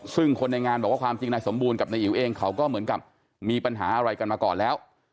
ซึ่งคนในงานบอกว่าความจริงนายสมบูรณ์กับนายอิ๋วเองเขาก็เหมือนกับมีปัญหาอะไรกันมาก่อนแล้ว